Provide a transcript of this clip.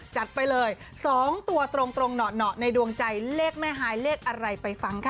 จัดไปเลย๒ตัวตรงเหนาะในดวงใจเลขแม่ฮายเลขอะไรไปฟังค่ะ